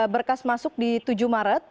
berkas masuk di tujuh maret